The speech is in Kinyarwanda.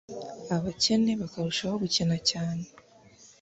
abakene bakarushaho gukena cyane